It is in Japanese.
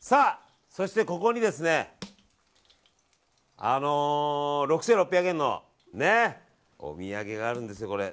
さあ、そしてここにあの６６００円のお土産があるんですよ、これ。